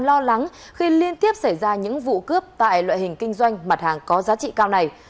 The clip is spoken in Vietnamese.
lo lắng khi liên tiếp xảy ra những vụ cướp tại loại hình kinh doanh mặt hàng có giá trị cao này